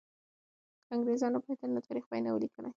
که انګریزان نه پوهېدل، نو تاریخ به یې نه وو لیکلی.